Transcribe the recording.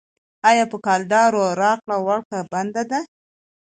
آیا په کلدارو راکړه ورکړه بنده ده؟